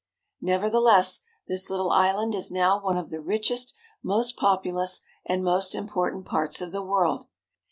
Nevertheless, this Uttle island is now one of the richest, most populous, and most important parts of the world.